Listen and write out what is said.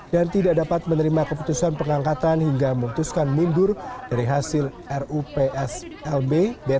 dan tidak dapat menerima keputusan pengangkatan hingga memutuskan mundur dari hasil rupslb